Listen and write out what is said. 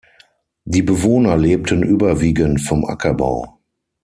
Die Bewohner lebten überwiegend vom Ackerbau.